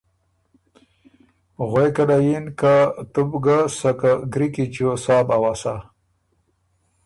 غوېکه له یِن که ”تُو بو ګه سکه ګری کی چیو سار بُو اؤسا،